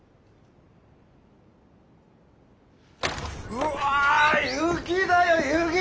うわ雪だよ雪！